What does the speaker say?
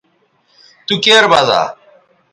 تو کیر بزا